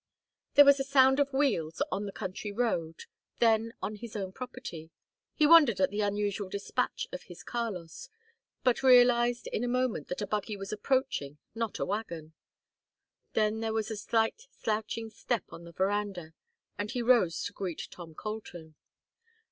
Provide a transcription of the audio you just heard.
There was a sound of wheels on the county road, then on his own property. He wondered at the unusual dispatch of his Carlos, but realized in a moment that a buggy was approaching, not a wagon. Then there was a light slouching step on the veranda, and he rose to greet Tom Colton.